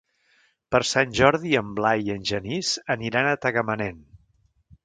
Per Sant Jordi en Blai i en Genís aniran a Tagamanent.